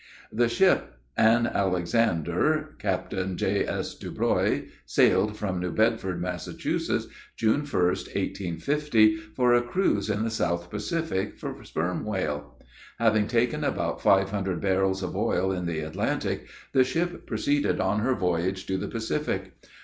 The ship Ann Alexander, Captain J.S. Deblois, sailed from New Bedford, Mass., June 1st, 1850, for a cruise in the South Pacific for sperm whale. Having taken about five hundred barrels of oil in the Atlantic, the ship proceeded on her voyage to the Pacific.